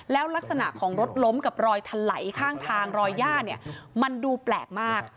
แล้วลักษณะของรถล้มกับรอยถลัยข้างทางรอยย่าเนี่ยมันดูแปลกมาก